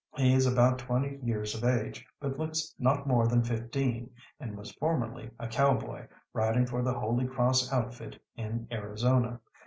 He is about twenty years of age, but looks not more than fifteen, and was formerly a cowboy, riding for the Holy Cross Outfit in Arizona.